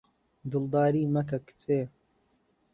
دڵداری مەکە کچێ